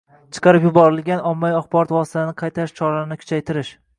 Chiqarib yuborilgan ommaviy axborot vositalariniqaytarish choralarini kuchaytirish;